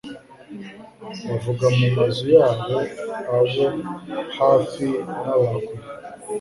bavaga mu mazu yabo abo hafi n'aba kure,